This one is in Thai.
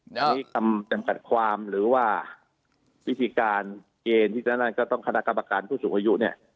อันนี้คำจำกัดความหรือว่าวิธีการเกณฑ์ที่จะนั่นก็ต้องคณะกรรมการผู้สูงอายุเนี่ย